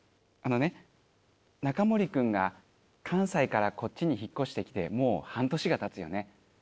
あのねナカモリ君が関西からこっちに引っ越してきてもう半年がたつよね。